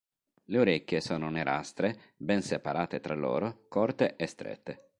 Le orecchie sono nerastre, ben separate tra loro, corte e strette.